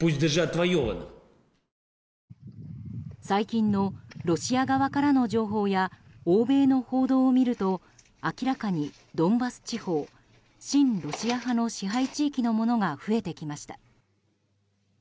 最近のロシア側からの情報や欧米の報道を見ると明らかにドンバス地方親ロシア派の支配地域のものが増えてきました。